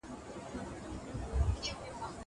ايا ته سبزېجات جمع کوې؟